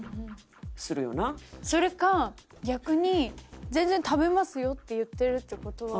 それか逆に「全然食べますよ」って言ってるって事は。